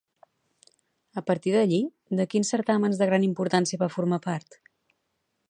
A partir d'allí, de quins certàmens de gran importància va formar part?